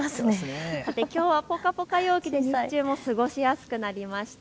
きょうはぽかぽか陽気で日中も過ごしやすくなりました。